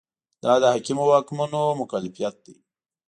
دا د حاکمو واکمنو مکلفیت دی.